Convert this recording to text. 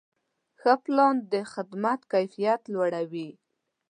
ښه پلان د خدمت کیفیت لوړوي.